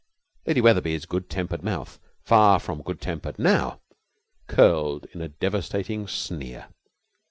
Lady Wetherby's good tempered mouth, far from good tempered now, curled in a devastating sneer.